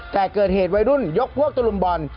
แต่เกิดเหตุวัยรุ่นยกพวกตะลุมบ่อน